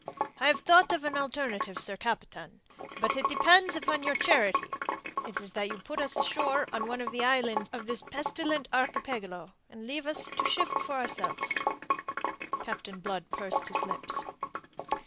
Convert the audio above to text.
"I have thought of an alternative, sir captain; but it depends upon your charity. It is that you put us ashore on one of the islands of this pestilent archipelago, and leave us to shift for ourselves." Captain Blood pursed his lips.